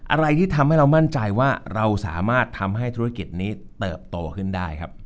อะไรที่ทำให้เรามั่นใจว่าเราสามารถทำให้ธุรกิจนี้เติบโตขึ้นได้ครับ